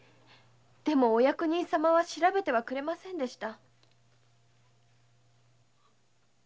でもお役人様は調べてはくれませんでした。